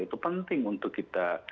itu penting untuk kita